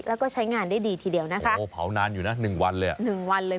แล้วก็ใช้งานได้ดีทีเดียวนะคะโอ้เผานานอยู่นะหนึ่งวันเลยอ่ะหนึ่งวันเลย